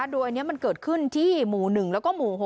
โดยอันนี้มันเกิดขึ้นที่หมู่๑แล้วก็หมู่๖